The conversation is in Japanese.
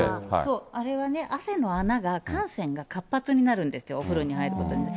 あれは汗の穴が、汗腺が活発になるんですよ、お風呂に入ることによって。